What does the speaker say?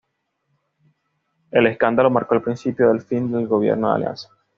El escándalo marcó el principio del fin del Gobierno de la Alianza.